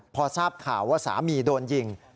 พอทราบข่าวว่าสามีโดนยิง